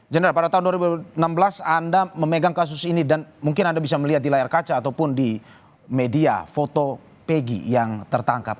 general pada tahun dua ribu enam belas anda memegang kasus ini dan mungkin anda bisa melihat di layar kaca ataupun di media foto pegi yang tertangkap